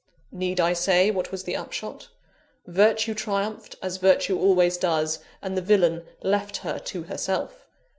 Need I say what was the upshot? Virtue triumphed, as virtue always does, and the villain left her to herself.